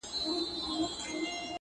نېکي نه ورکېږي.